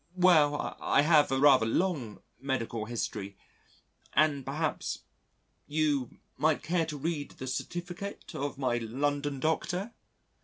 "Well, I have a rather long medical history and perhaps ... you ... might care to read the certificate of my London Doctor?"